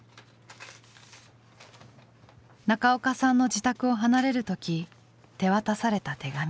中岡さんの自宅を離れる時手渡された手紙。